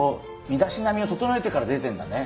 身だしなみを整えてから出てんだね。